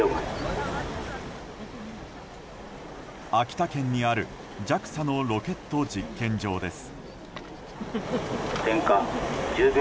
秋田県にあるＪＡＸＡのロケット実験場です。